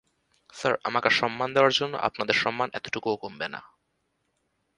Sir, আমাকে সম্মান দেয়ার জন্য আপনাদের সম্মান এতটকুও কমবে না।